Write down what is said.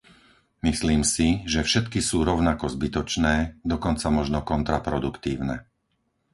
Myslím si, že všetky sú rovnako zbytočné, dokonca možno kontraproduktívne.